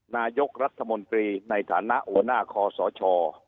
นายกรัฐมนตรีในฐานะหัวหน้าคอสช